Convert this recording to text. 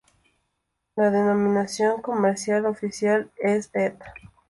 La denominación comercial oficial es Ed.